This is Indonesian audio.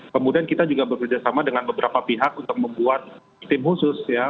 kemudian kita juga bekerjasama dengan beberapa pihak untuk membuat tim khusus ya